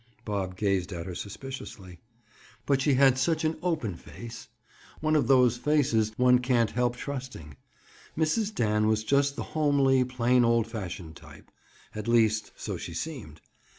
Bob gazed at her suspiciously. But she had such an open face! One of those faces one can't help trusting. Mrs. Dan was just the homely, plain old fashioned type. At least, so she seemed.